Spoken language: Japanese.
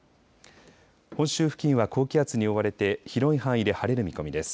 本州付近は高気圧に覆われて広い範囲で晴れる見込みです。